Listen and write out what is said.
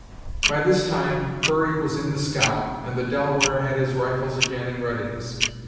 By this time Hurry was in the scow, and the Delaware had his rifles again in readiness.